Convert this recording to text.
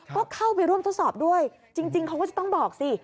ก็เข้าไปร่วมทดสอบด้วยจริงเขาก็จะต้องบอกสิ